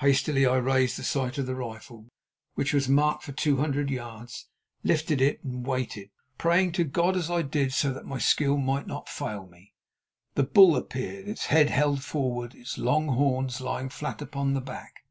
Hastily I raised the full sight on the rifle, which was marked for two hundred yards, lifted it, and waited, praying to God as I did so that my skill might not fail me. The bull appeared, its head held forward, its long horns lying flat upon the back.